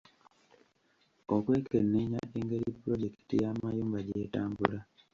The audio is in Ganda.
Okwekenneenya engeri pulojekiti y’amayumba gy’etambula.